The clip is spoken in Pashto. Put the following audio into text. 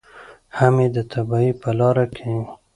هم یې د تباهۍ په لاره کې.